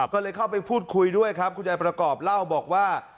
ก็เลยเข้าไปพูดคุยด้วยครับคุณยายประกอบเล่าบอกว่า